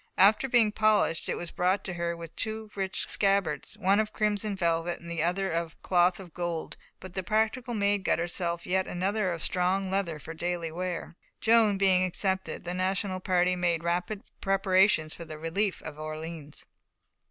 After being polished, it was brought to her with two rich scabbards, one of crimson velvet, the other of cloth of gold; but the practical Maid got herself yet another of strong leather for daily wear. Joan, being accepted, the National party made rapid preparations for the relief of Orleans.